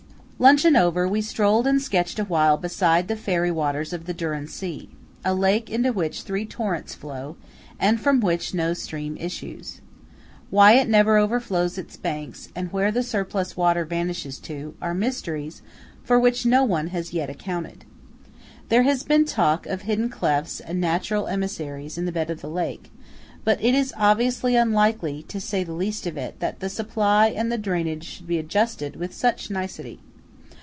Luncheon over, we strolled and sketched awhile beside the fairy waters of the Dürren See–a lake into which three torrents flow, and from which no stream issues. Why it never overflows its banks, and where the surplus water vanishes to, are mysteries for which no one has yet accounted. There has been talk of hidden clefts and natural emissaries in the bed of the lake; but it is obviously unlikely, to say the least of it, that the supply and the drainage should be adjusted with such nicety.